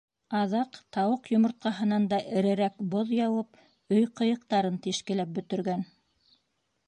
Аҙаҡ тауыҡ йомортҡаһынан дә эрерәк боҙ яуып, өй ҡыйыҡтарын тишкеләп бөтөргән.